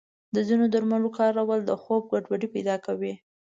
د ځینو درملو کارول د خوب ګډوډي پیدا کوي.